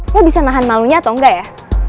saya bisa nahan malunya atau enggak ya